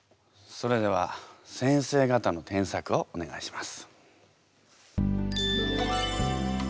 それでは内先生から発表をお願いします。